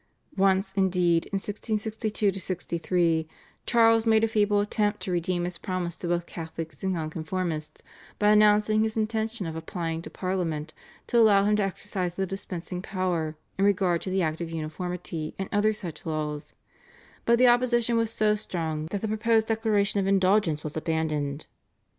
Once, indeed, in 1662 63, Charles made a feeble attempt to redeem his promise to both Catholics and Nonconformists by announcing his intention of applying to Parliament to allow him to exercise the dispensing power in regard to the Act of Uniformity and other such laws, but the opposition was so strong that the proposed declaration of indulgence was abandoned.